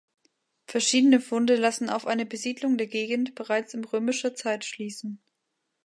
Verschiedene Funde lassen auf eine Besiedlung der Gegend bereits in römischer Zeit schließen.